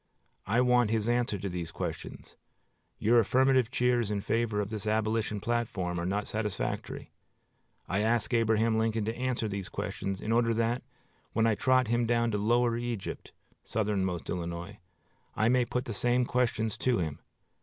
I want his answer to these questions. Your affirmative cheers in favor of this Abolition platform are not satisfactory. I ask Abraham Lincoln to answer these questions, in order that, when I trot him down to lower Egypt [Southernmost Illinois] I may put the same questions to him.